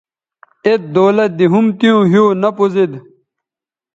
ایت دولت دے ھُم تیوں ھِیو نہ پوزید